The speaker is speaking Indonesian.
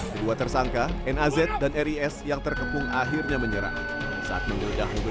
kedua tersangka naz dan ris yang terkepung akhirnya menyerah saat menggeledah mobil